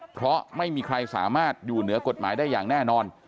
เพราะไม่มีใครสามารถอยู่เหนือกฎหมายได้อย่างแน่นอน